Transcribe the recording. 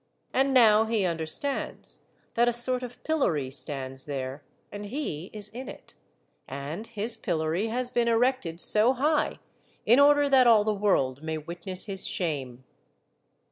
And now he understands that a sort of pillory stands there, and he is in it, and his pillory has been erected so high in order that all the world may witness his shame.